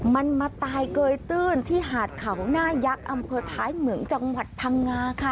มันมาตายเกยตื้นที่หาดเขาหน้ายักษ์อำเภอท้ายเหมืองจังหวัดพังงาค่ะ